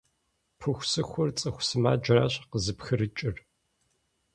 Пыхусыхур цӀыху сымаджэращ къызыпкъырыкӀыр.